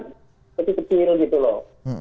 kecil kecil gitu loh